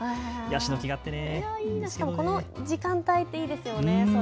しかもこの時間帯っていいですよね。